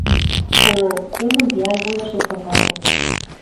O éMundial muda o seu formato.